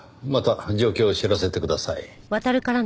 また状況を知らせてください。